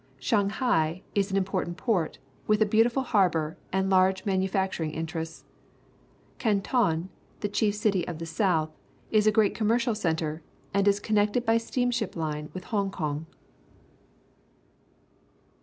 Shanghai is an important port, with a beau tifuniarbour and large manufacturing in terests. Canton, the chief city of the south, is a great commercial centre and is con nected by a steamship line with Hong Kong.